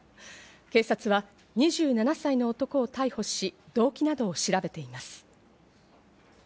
警察は２７歳の男を逮捕し、動機などを調べています。